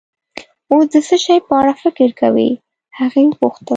اوس د څه شي په اړه فکر کوې؟ هغې وپوښتل.